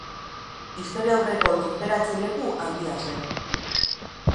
Historiaurreko lurperatze leku handia zen.